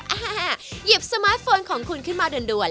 อ่าหยิบสมาร์ทโฟนของคุณขึ้นมาด่วน